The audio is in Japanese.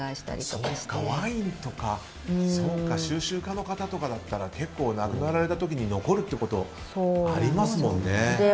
そうか、ワインとか収集家の方とかだったら結構亡くなられた時に残るってことありますもんね。